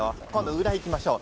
裏に行きましょう。